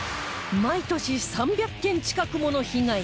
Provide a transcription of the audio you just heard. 毎年３００件近くもの被害が